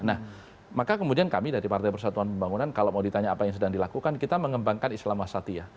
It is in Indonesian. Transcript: nah maka kemudian kami dari partai persatuan pembangunan kalau mau ditanya apa yang sedang dilakukan kita mengembangkan islam wasatiyah